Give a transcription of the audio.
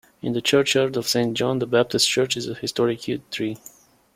In the churchyard of Saint John the Baptist's church is a historic yew tree.